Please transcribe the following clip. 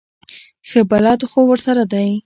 ښه بلد خو ورسره دی.